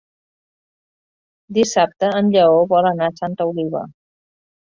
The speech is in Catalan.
Dissabte en Lleó vol anar a Santa Oliva.